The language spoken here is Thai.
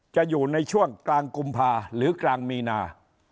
จะอยู่ในช่วงกลางกุมภาหรือกลางมีนา